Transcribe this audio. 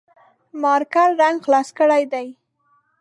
مارکر رنګ خلاص کړي دي